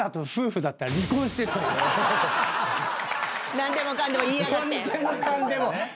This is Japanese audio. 何でもかんでも言いやがって。